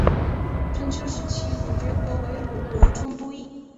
春秋时期古厥国为鲁国中都邑。